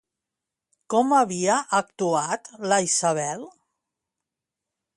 Com havia actuat la Isabel?